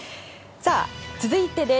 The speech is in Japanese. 続いてです。